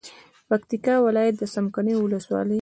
د پکتیا ولایت څمکنیو ولسوالي